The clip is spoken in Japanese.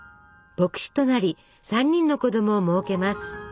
牧師となり３人の子供をもうけます。